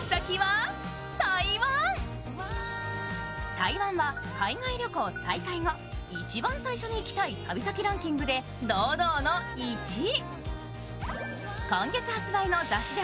台湾は海外旅行再開後、一番最初に行きたい旅先ランキングで堂々の１位。